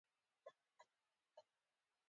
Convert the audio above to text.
نیم یې دلته د خپل تربور لپاره هم نه دی منلی.